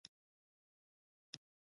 دا جمله سمه ده.